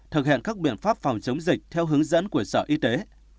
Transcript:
thực hiện các biện pháp phòng chống dịch theo hướng dẫn của sở y tế